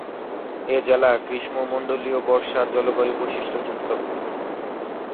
এ জেলা গ্রীষ্মমন্ডলীয় বর্ষা জলবায়ু বৈশিষ্ট্যযুক্ত।